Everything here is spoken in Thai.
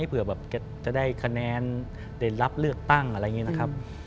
เป็นเรียนรับเลือกตั้งอะไรอย่างนี้นะครับ